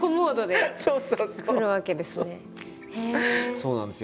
そうなんですよ。